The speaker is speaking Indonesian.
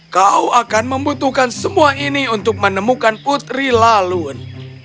kau akan membutuhkan semua ini untuk menemukan putri lalun